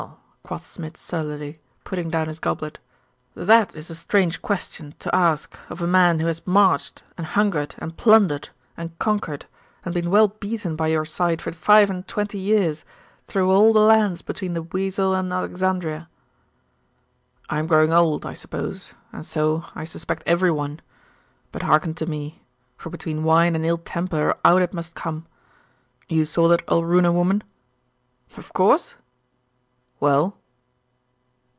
quoth Smid surlily, putting down his goblet, 'that is a strange question to ask of a man who has marched, and hungered, and plundered, and conquered, and been well beaten by your side for five and twenty years, through all lands between the Wesel and Alexandria!' 'I am growing old, I suppose, and so I suspect every one. But hearken to me, for between wine and ill temper out it must come. You saw that Alruna woman?' 'Of course.' 'Well?